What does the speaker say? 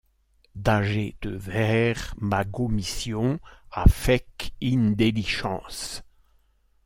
Dâgez te vaire ma gommission afec indellichance.